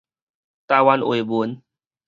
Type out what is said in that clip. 台灣話文